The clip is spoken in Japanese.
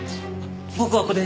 僕はこれで。